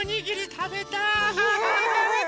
たべたい！